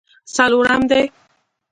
څلورم دی.